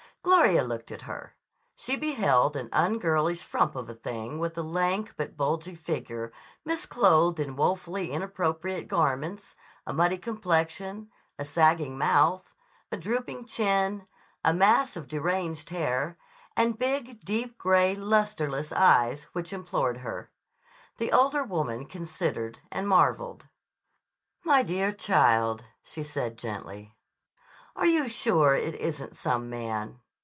Gloria looked at her. She beheld an ungirlish frump of a thing with a lank but bulgy figure misclothed in woefully inappropriate garments, a muddy complexion, a sagging mouth, a drooping chin, a mass of deranged hair, and big, deep gray, lusterless eyes, which implored her. The older woman considered and marveled. "My dear child," she said gently, "are you sure it isn't some man?"